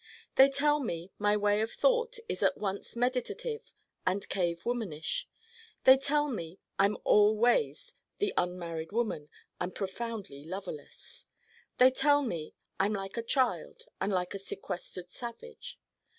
They tell me my way of thought is at once meditative and cave womanish. They tell me I'm all ways the Unmarried Woman and profoundly loverless. They tell me I'm like a child and like a sequestered savage.